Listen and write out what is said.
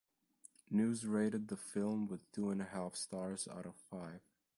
News rated the film with two and half stars out of five.